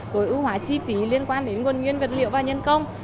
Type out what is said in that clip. tối ưu hóa chi phí liên quan đến nguồn nguyên vật liệu và nhân công